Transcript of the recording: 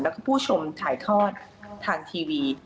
และผู้ชมทายทอดทางทีวี